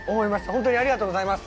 ホントにありがとうございます。